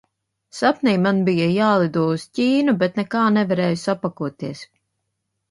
Sapnī man bija jālido uz Ķīnu, bet nekā nevarēju sapakoties.